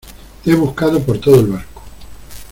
te he buscado por todo el barco.